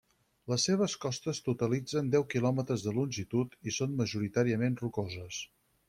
Les seves costes totalitzen deu quilòmetres de longitud i són majoritàriament rocoses.